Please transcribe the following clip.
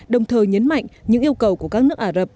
đồng thời nhấn mạnh những yêu cầu của các nước ả rập